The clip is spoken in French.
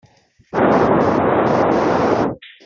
Seule une mauvaise piste y conduit.